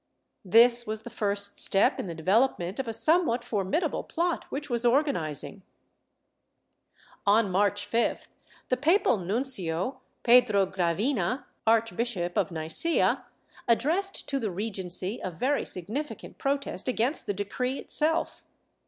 ^ This was the first step in the development of a somewhat formid able plot which was organizing. On March 5th the papal nuncio, Pedro Gravina, Archbishop of Nicsea, addressed to the Regency a very significant protest against the decree itself.